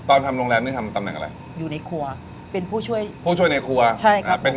ทำโรงแรมนี่ทำตำแหน่งอะไรอยู่ในครัวเป็นผู้ช่วยผู้ช่วยในครัวใช่ครับเป็น